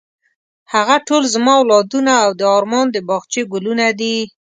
هغه ټول زما اولادونه او د ارمان د باغچې ګلونه دي.